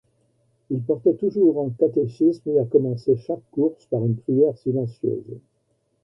Il portait toujours un catéchisme et a commencé chaque course par une prière silencieuse.